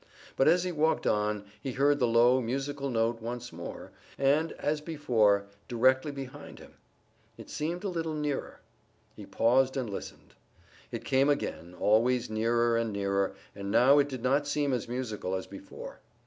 But as he walked on he heard the low, musical note once more and, as before, directly behind him. It seemed a little nearer. He paused and listened. It came again, always nearer and nearer, and now it did not seem as musical as before.